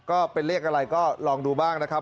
ก็เป็นเลขอะไรก็ลองดูบ้างนะครับ